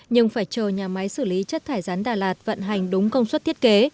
nhưng phải chờ nhà máy xử lý chất thải rán đà lạt vận hành đúng công suất thiết kế